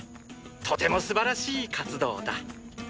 とてもすばらしい活動だ！